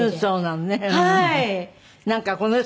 そうなのね。